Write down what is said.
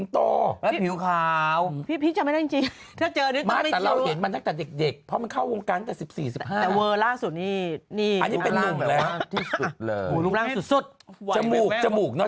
แต่บอกจริงว่าจำไม่ได้จริงนะเปลี่ยนปีเยอะมากแอย์สิงโต